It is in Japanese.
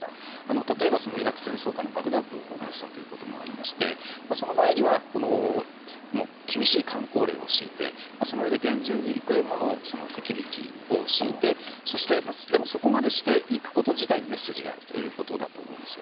例えばイラク戦争下にバクダッドを訪問したこともありましてその場合には厳しいかん口令を敷いてその間、厳重に幾重ものセキュリティーを敷いてそして、そこまでして行くこと自体にメッセージがあるということだと思います。